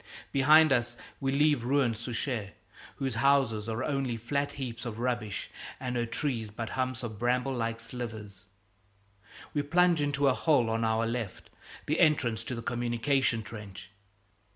Behind us we leave ruined Souchez, whose houses are only flat heaps of rubbish and her trees but humps of bramble like slivers. We plunge into a hole on our left, the entrance to the communication trench.